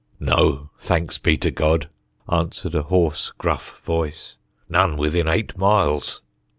"No; thanks be to God," answered a hoarse, gruff voice. "None within eight miles."